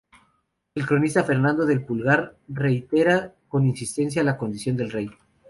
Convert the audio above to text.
El cronista Fernando del Pulgar reitera con insistencia la condición del rey.